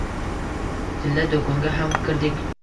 Tilla doʻkonga ham kirdik.